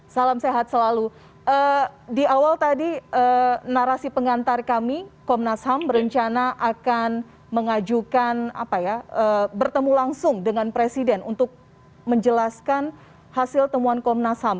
salam sehat selalu di awal tadi narasi pengantar kami komnas ham berencana akan mengajukan apa ya bertemu langsung dengan presiden untuk menjelaskan hasil temuan komnas ham